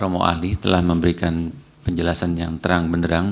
romo ahli telah memberikan penjelasan yang terang benderang